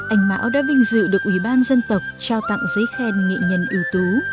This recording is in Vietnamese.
anh mão đã vinh dự được ủy ban dân tộc trao tặng giấy khen nghệ nhân ưu tú